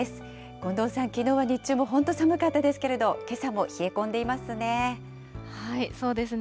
近藤さん、きのうは日中も本当寒かったですけれども、けさも冷え込んでいまそうですね。